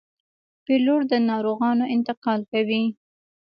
پیلوټ د ناروغانو انتقال کوي.